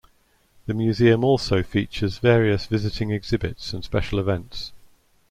The Museum also features various visiting exhibits and special events.